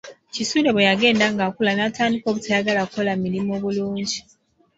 Kisuule bwe yagenda ng’akula natandika obutayagala kukola mirumu bulungi.